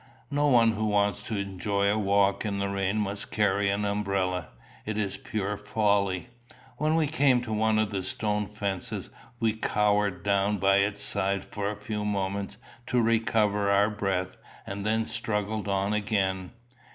No one who wants to enjoy a walk in the rain must carry an umbrella; it is pure folly. When we came to one of the stone fences, we cowered down by its side for a few moments to recover our breath, and then struggled on again.